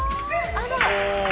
あら！